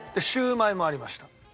シューマイもありました。